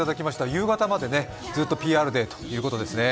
夕方までずっとＰＲデーということですね。